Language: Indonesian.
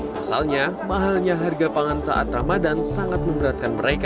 pasalnya mahalnya harga pangan saat ramadan sangat memeratkan mereka